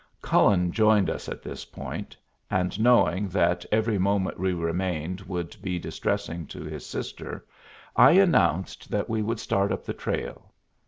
Cullen joined us at this point, and, knowing that every moment we remained would be distressing to his sister, I announced that we would start up the trail.